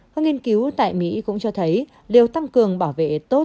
các nghiên cứu tại mỹ cũng cho thấy điều tăng cường bảo vệ tốt